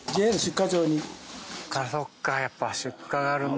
そっかやっぱ出荷があるんだ。